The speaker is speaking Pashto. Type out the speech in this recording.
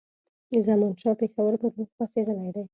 زمانشاه پېښور پر لور خوځېدلی دی.